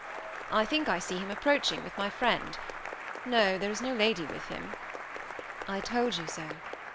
"I think I see him approaching, with my friend. No there is no lady with him." "I told you so.